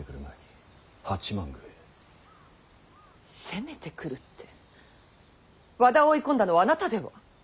攻めてくるって和田を追い込んだのはあなたでは。